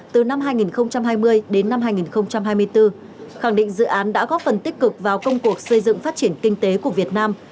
từ năm hai nghìn hai mươi đến năm hai nghìn hai mươi bốn khẳng định dự án đã góp phần tích cực vào công cuộc xây dựng phát triển kinh tế của việt nam